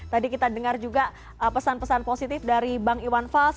tadi kita dengar juga pesan pesan positif dari bang iwan fals